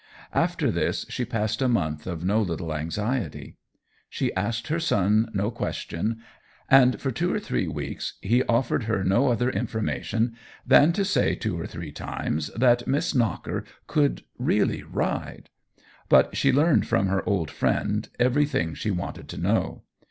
After this she passed a month of no little anxiety. She asked her son no question, and for two or three weeks he offered her no other information than to say two or three times that Miss Knocker really could ride ; but she learned from her old friend everything she wanted to know.